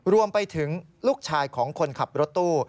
รวมไปถึงลูกชายของคนขับรถตู้